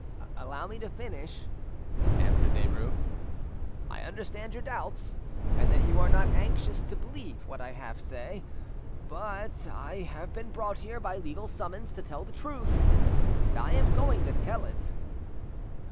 "Allow me to finish," answered Derues. "I understand your doubts, and that you are not anxious to believe what I say, but I have been brought here by legal summons to tell the truth, and I am going to tell it.